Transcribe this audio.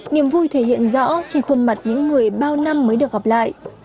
niềm vui thể hiện rõ trên khuôn mặt những người bao năm mới được gặp lại